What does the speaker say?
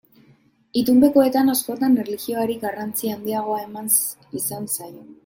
Itunpekoetan askotan erlijioari garrantzi handiagoa eman izan zaio.